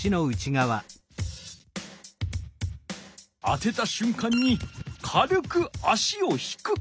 当てたしゅん間に軽く足を引く。